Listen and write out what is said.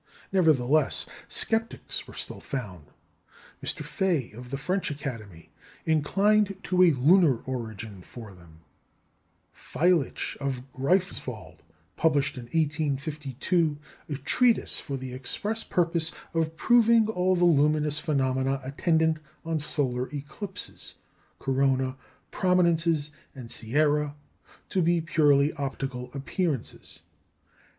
Nevertheless sceptics were still found. M. Faye, of the French Academy, inclined to a lunar origin for them; Feilitsch of Greifswald published in 1852 a treatise for the express purpose of proving all the luminous phenomena attendant on solar eclipses corona, prominences and "sierra" to be purely optical appearances.